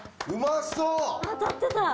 当たってた。